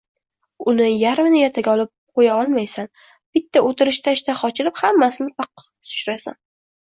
Uni yarmini ertaga olib qoʻya olmaysan, bitta oʻtirishda ishtaha ochilib, hammasini paqqos tushirasan.